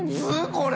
これ。